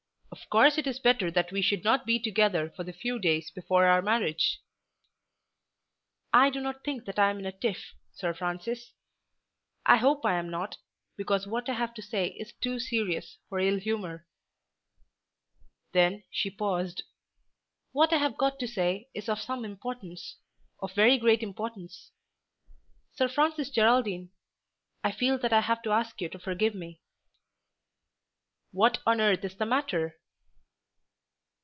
Of course it is better that we should not be together for the few days before our marriage." "I do not think that I am in a tiff, Sir Francis. I hope I am not, because what I have to say is too serious for ill humour." Then she paused. "What I have got to say is of some importance; of very great importance. Sir Francis Geraldine, I feel that I have to ask you to forgive me." "What on earth is the matter?"